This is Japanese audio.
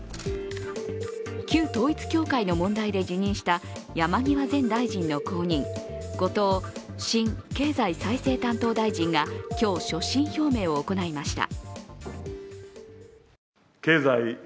旧統一教会の問題で辞任した山際前大臣の後任、後藤新経済再生担当大臣が今日、所信表明を行いました。